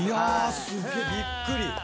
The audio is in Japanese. すっげえびっくり。